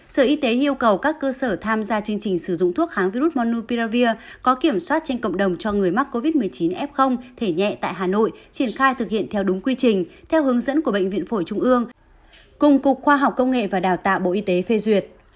sở y tế yêu cầu các cơ sở tham gia chương trình sử dụng thuốc kháng virus monu piravir có kiểm soát trên cộng đồng cho người mắc covid một mươi chín f thể nhẹ tại hà nội triển khai thực hiện theo đúng quy trình theo hướng dẫn của bệnh viện phổi trung ương cùng cục khoa học công nghệ và đào tạo bộ y tế phê duyệt